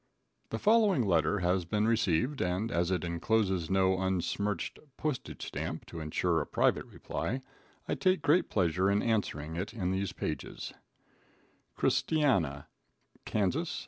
The following letter has been received, and, as it encloses no unsmirched postage stamp to insure a private reply, I take great pleasure in answering it in these pages: Christiana, Kas.